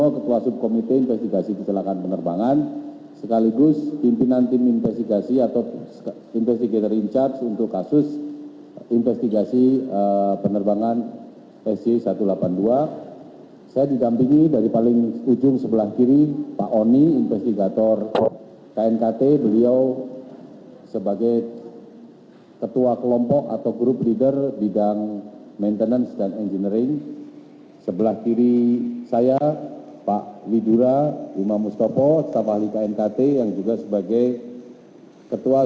ketua knkt tidak bisa hadir hari ini karena beliau sedang menjalani isolasi masyarakat